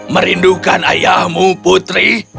merindukan ayahmu putri